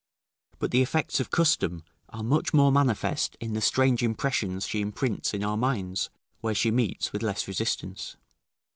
But the effects of custom are much more manifest in the strange impressions she imprints in our minds, where she meets with less resistance.